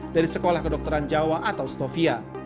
dari sekolah kedokteran jawa atau stovia